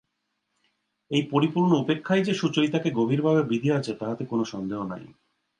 এই পরিপূর্ণ উপেক্ষাই যে সুচরিতাকে গভীরভাবে বিঁধিয়াছে তাহাতে কোনো সন্দেহ নাই।